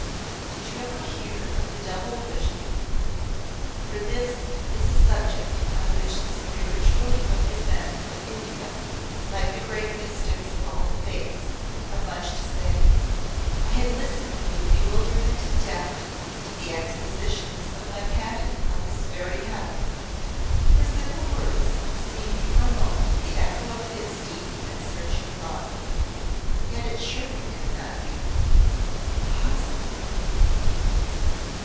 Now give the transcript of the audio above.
"Did you ever hear of the double vision?" For this is a subject on which the spiritually learned men of India, like the great mystics of all the faiths, have much to say. I had listened with bewilderment and doubt to the expositions of my Pandit on this very head. Her simple words seemed for a moment the echo of his deep and searching thought. Yet it surely could not be. Impossible.